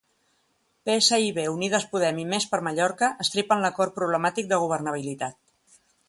PSIB, Unides Podem i Més per Mallorca estripen l'acord problemàtic de governabilitat.